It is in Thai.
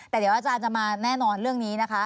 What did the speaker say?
แต่เดี๋ยวอาจารย์จะมาแน่นอนเรื่องนี้นะคะ